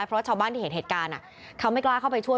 เพราะชาวบ้านที่เห็นเหตุการณ์เขาไม่กล้าเข้าไปช่วย